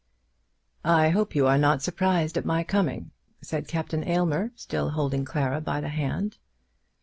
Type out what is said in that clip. "I hope you are not surprised at my coming," said Captain Aylmer, still holding Clara by the hand.